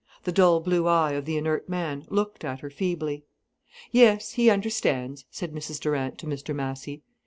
The dull blue eye of the inert man looked at her feebly. "Yes, he understands," said Mrs Durant to Mr Massy.